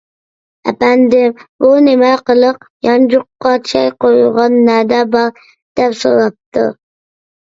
— ئەپەندىم، بۇ نېمە قىلىق، يانچۇققا چاي قۇيغان نەدە بار؟ — دەپ سوراپتۇ.